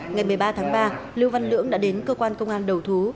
ngày một mươi ba tháng ba lưu văn lưỡng đã đến cơ quan công an đầu thú